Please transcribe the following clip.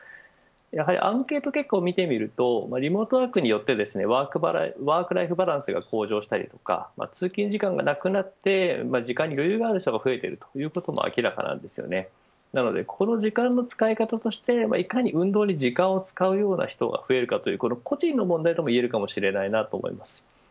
やはりアンケート結果を見てみるとリモートワークによってワークライフバランスが向上したり通勤時間がなくなって時間に余裕がある人が増えているということも明らかなのでこの時間の使い方として運動に時間を使うような人が増えるか個人の問題ともいえるかもしれないと思います。